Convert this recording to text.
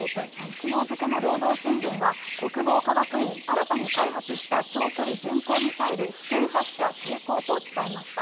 きのう付けの労働新聞は、国防科学院、新たに開発した長距離巡航ミサイル試験発射成功と伝えました。